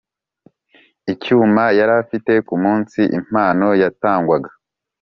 Icyuma yarafite ku munsi impano yatangwaga